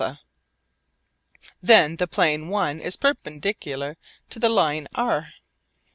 Then the plane l is perpendicular to the line r.